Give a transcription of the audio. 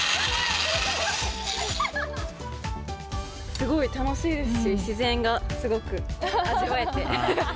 すごい楽しいですし、自然がすごく味わえて。